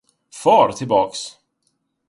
Far tillbaks!